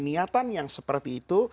niatan yang seperti itu